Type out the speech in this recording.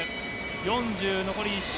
４０、残り１周。